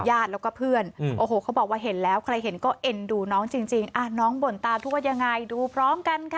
ญาติแล้วก็เพื่อนโอ้โหเขาบอกว่าเห็นแล้วใครเห็นก็เอ็นดูน้องจริงน้องบ่นตาทุกวันยังไงดูพร้อมกันค่ะ